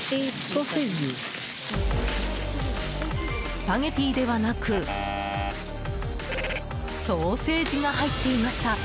スパゲティではなくソーセージが入っていました。